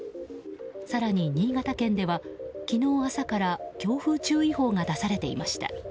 更に、新潟県では昨日朝から強風注意報が出されていました。